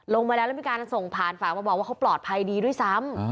ลงมาแล้วแล้วมีการส่งผ่านฝากมาบอกว่าเขาปลอดภัยดีด้วยซ้ำ